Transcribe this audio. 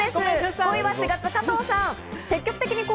５位は４月、加藤さん。